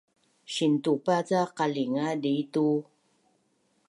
Sintupa ca qalinga dii tu